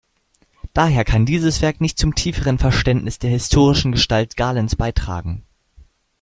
Daher kann dieses Werk nicht zum tieferen Verständnis der historischen Gestalt Galens beitragen.